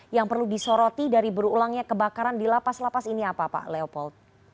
yang perlu disoroti dari berulangnya kebakaran di lapas lapas ini apa pak leopold